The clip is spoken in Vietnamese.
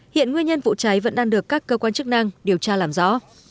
hiện nguyên nhân vụ cháy vẫn đang được các cơ quan chức năng điều tra làm rõ